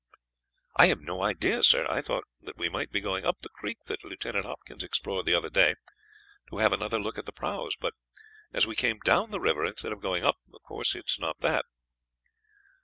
"I have no idea, sir. I thought that we might be going up the creek that Lieutenant Hopkins explored the other day, to have another look at the prahus; but as we came down the river instead of going up, of course it is not that."